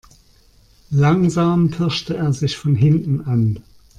Langsam pirschte er sich von hinten an.